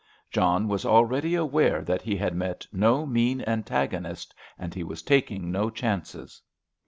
John was already aware that he had met no mean antagonist, and he was taking no chances.